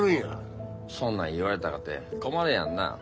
そんなん言われたかて困るやんなあ。